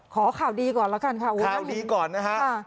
ขอข่าวดีก่อนแล้วกันค่ะข่าวดีก่อนนะฮะ